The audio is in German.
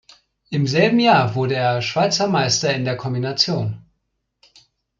Im selben Jahr wurde er Schweizer Meister in der Kombination.